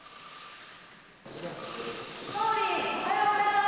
総理、おはようございます。